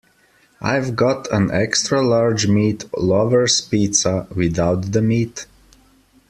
I’ve got an extra large meat lover’s pizza, without the meat?